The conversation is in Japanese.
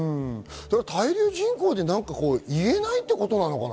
滞留人口で言えないということなのかな？